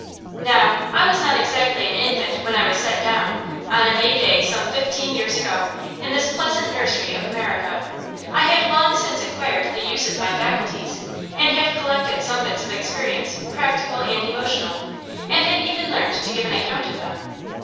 Now I was not exactly an infant when I was set down, on a May day some fifteen years ago, in this pleasant nursery of America. I had long since acquired the use of my faculties, and had collected some bits of experience practical and emotional, and had even learned to give an account of them.